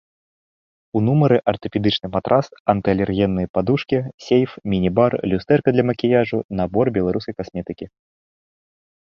У нумары артапедычны матрац, анты-алергенныя падушкі, сейф, міні-бар, люстэрка для макіяжу, набор беларускай касметыкі.